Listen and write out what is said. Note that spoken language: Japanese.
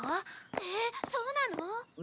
えっそうなの？